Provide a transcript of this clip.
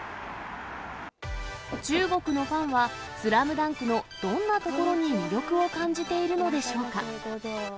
中国のファンは、スラムダンクのどんなところに魅力を感じているのでしょうか。